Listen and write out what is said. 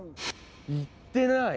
言ってない！